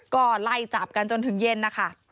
ก็ไล่จับกันจนถึงเย็นนะคะ